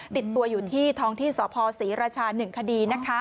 ติดตัวอยู่ที่ท้องที่สพศรีราชา๑คดี